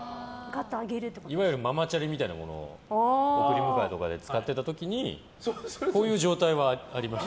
いわゆるママチャリみたいなものを送り迎えとかで使ってた時にこういう状態はありました。